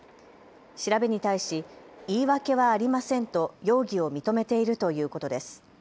調べに対し言い訳はありませんと容疑を認めているということです。